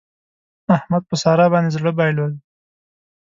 احمد په سارا باندې زړه بايلود.